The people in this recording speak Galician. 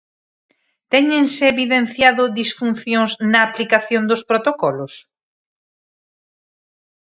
¿Téñense evidenciado disfuncións na aplicación dos protocolos?